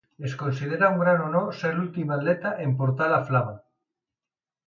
Es considera un gran honor ser l’últim atleta en portar la flama.